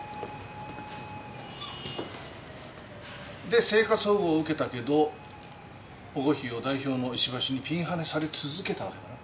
で生活保護を受けたけど保護費を代表の石橋にピンハネされ続けたわけだな？